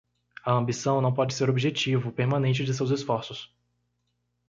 A ambição não pode ser o objetivo permanente de seus esforços.